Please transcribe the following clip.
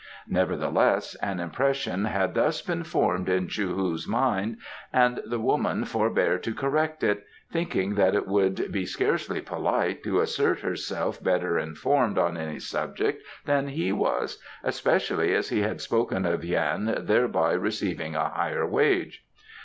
Nevertheless an impression had thus been formed in Chou hu's mind and the woman forbore to correct it, thinking that it would be scarcely polite to assert herself better informed on any subject than he was, especially as he had spoken of Yan thereby receiving a higher wage.